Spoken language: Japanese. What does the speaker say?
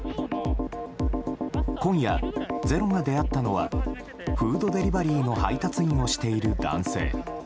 今夜「ｚｅｒｏ」が出会ったのはフードデリバリーの配達員をしている男性。